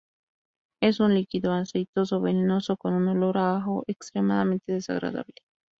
Es un líquido aceitoso venenoso con un olor a ajo extremadamente desagradable.